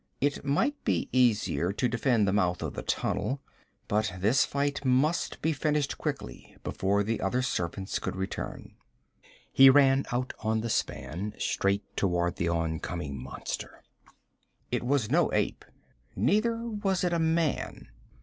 It might be easier to defend the mouth of the tunnel but this fight must be finished quickly, before the other servants could return. He ran out on the span, straight toward the oncoming monster. It was no ape, neither was it a man.